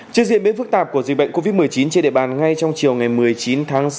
trên diện biến phức tạp của dịch bệnh covid một mươi chín trên địa bàn ngay trong chiều một mươi chín tháng sáu